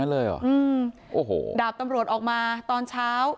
เลยเหรออืมโอ้โหดาบตำรวจออกมาตอนเช้า